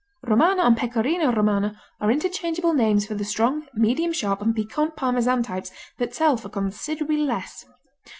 Romano and Pecorino Romano are interchangeable names for the strong, medium sharp and piquant Parmesan types that sell for considerably less.